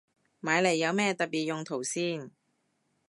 買嚟有咩特別用途先